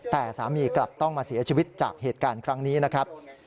แต่สามีกลับต้องมาเสียชีวิตจากเหตุการณ์ครั้งนี้นะครับ